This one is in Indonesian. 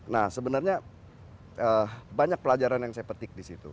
nah sebenarnya banyak pelajaran yang saya petik disitu